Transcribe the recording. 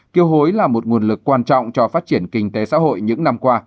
kiêu hối là một nguồn lực quan trọng cho phát triển kinh tế xã hội những năm qua